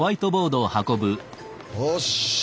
よし。